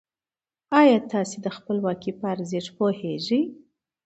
ايا تاسې د خپلواکۍ په ارزښت پوهېږئ؟